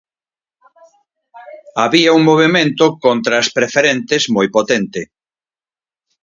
Había un movemento contra as preferentes moi potente.